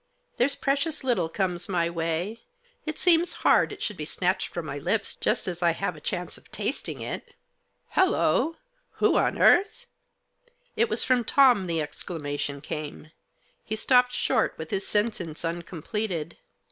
There's precious little comes my way ; it seems hard it should be snatched from my lips just as I have a chance of tasting it." Digitized by 10 THE JOSS. " Hollo ! Who on earth " It was from Tom the exclamation came. He stopped short, with his sentence uncompleted.